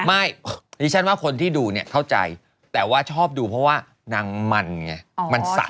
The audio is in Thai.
ไม่ดิฉันว่าคนที่ดูเนี่ยเข้าใจแต่ว่าชอบดูเพราะว่านางมันไงมันสั่น